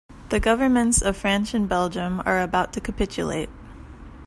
The governments of France and Belgium are about to capitulate.